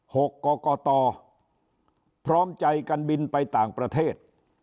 หกกตพร้อมใจกันบินไปต่างประเทศ